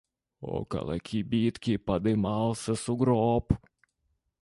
Около кибитки подымался сугроб.